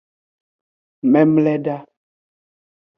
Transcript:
Memleda.